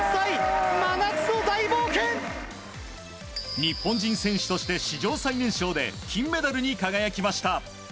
日本人選手として史上最年少で金メダルに輝きました。